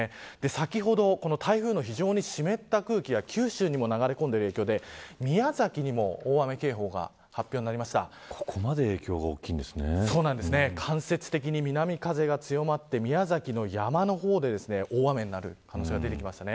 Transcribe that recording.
先ほど台風の非常に湿った空気が九州にも流れ込んでいる影響で宮崎にもここまで影響が間接的に南風が強まって宮崎の山の方で大雨になる可能性が出ています。